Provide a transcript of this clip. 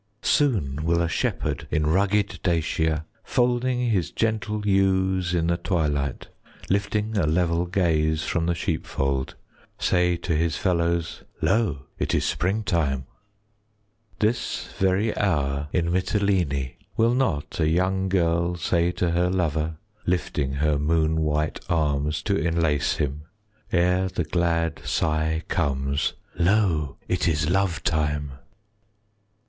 Soon will a shepherd In rugged Dacia, Folding his gentle Ewes in the twilight, 20 Lifting a level Gaze from the sheepfold, Say to his fellows, "Lo, it is springtime." This very hour 25 In Mitylene, Will not a young girl Say to her lover, Lifting her moon white Arms to enlace him, 30 Ere the glad sigh comes, "Lo, it is lovetime!"